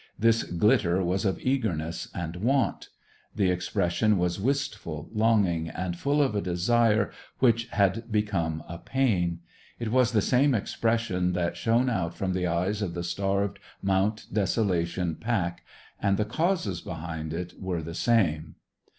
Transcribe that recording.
This glitter was of eagerness and want; the expression was wistful, longing, and full of a desire which had become a pain. It was the same expression that shone out from the eyes of the starved Mount Desolation pack. And the causes behind it were the same.